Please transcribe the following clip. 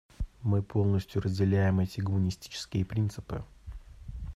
Мы полностью разделяем эти гуманистические принципы.